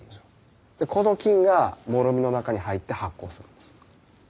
この菌がもろみの中に入って発酵するんですよ。